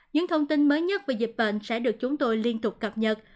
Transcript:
những thông tin mới nhất về dịch bệnh sẽ được chúng tôi liên tục cập nhật